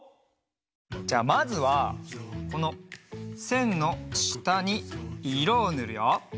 じゃまずはこのせんのしたにいろをぬるよ。